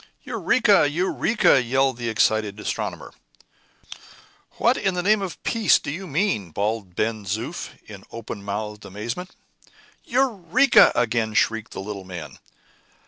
"Eureka! Eureka!" yelled the excited astronomer. "What, in the name of peace, do you mean?" bawled Ben Zoof, in open mouthed amazement. "Eureka!" again shrieked the little man.